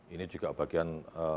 ini juga bagian